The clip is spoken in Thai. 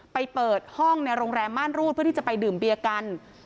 เปิดห้องในโรงแรมม่านรูดเพื่อที่จะไปดื่มเบียร์กัน